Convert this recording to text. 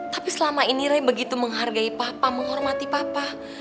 tapi selama ini rey begitu menghargai papa menghormati papa